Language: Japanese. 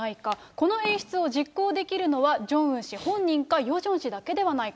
この演出を実行できるのは、ジョンウン氏本人か、ヨジョン氏だけではないか。